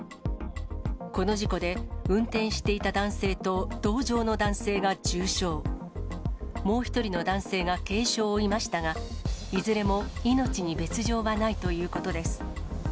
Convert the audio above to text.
この事故で、運転していた男性と同乗の男性が重傷、もう１人の男性が軽傷を負いましたが、いずれも命に別状はないということです。